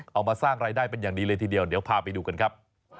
เอามาสร้างรายได้เป็นอย่างดีเลยทีเดียวเดี๋ยวพาไปดูกันครับ